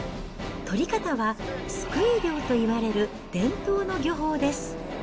取り方は、すくい漁といわれる伝統の漁法です。